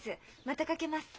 またかけます。